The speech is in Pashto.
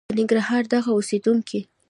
د ننګرهار دغه اوسېدونکي